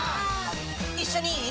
一緒にいい？